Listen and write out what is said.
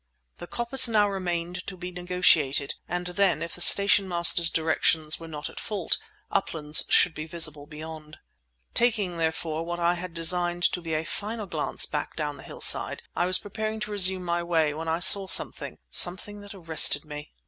The coppice now remained to be negotiated, and then, if the station master's directions were not at fault, "Uplands" should be visible beyond. Taking, therefore, what I had designed to be a final glance back down the hillside, I was preparing to resume my way when I saw something—something that arrested me.